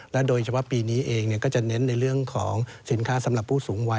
โดยเฉพาะปีนี้เองก็จะเน้นในเรื่องของสินค้าสำหรับผู้สูงวัย